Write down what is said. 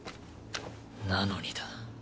なのにだ。